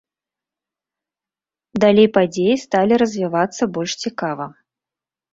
Далей падзеі сталі развівацца больш цікава.